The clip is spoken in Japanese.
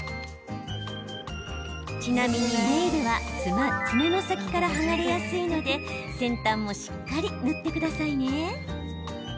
ちなみにネイルは爪の先から剥がれやすいので先端もしっかり塗ってくださいね。